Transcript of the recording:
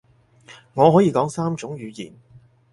我可以講三種語言